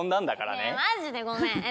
ねえマジでごめん。